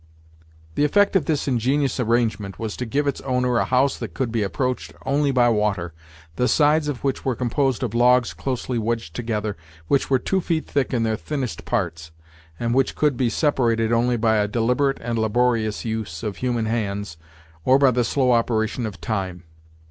The effect of this ingenious arrangement was to give its owner a house that could be approached only by water, the sides of which were composed of logs closely wedged together, which were two feet thick in their thinnest parts, and which could be separated only by a deliberate and laborious use of human hands, or by the slow operation of time.